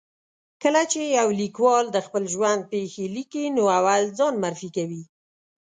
کله چې یو لیکوال د خپل ژوند پېښې لیکي، نو اول ځان معرفي کوي.